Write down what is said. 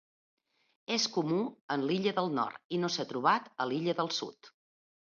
És comú en l'Illa del Nord, i no s'ha trobat a l'Illa del Sud.